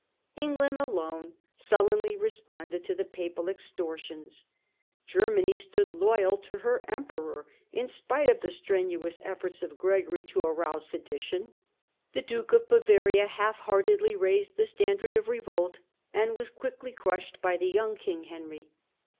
England alone sullenly responded to the Papal extortions. Ger many stood loyal to her Emperor, in spite of the strenuous efforts of Gregory to arouse sedition : the THE EXCOMMUNICATE CRUSADER 103 Duke of Bavaria half heartedly raised the standard of revolt and was quickly crushed by the young King Henry.